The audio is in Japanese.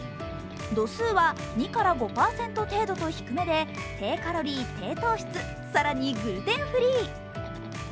度数は２５％程度と低めで低カロリー、低糖質、更にグルテンフリー。